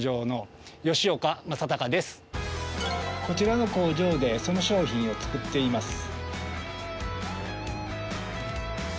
こちらの工場でその商品を作っています